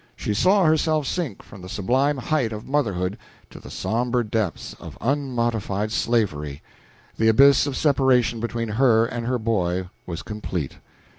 She saw herself sink from the sublime height of motherhood to the somber depths of unmodified slavery. The abyss of separation between her and her boy was complete.